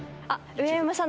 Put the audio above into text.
あっ！